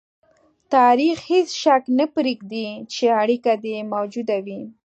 تاریخ هېڅ شک نه پرېږدي چې اړیکه دې موجوده وي.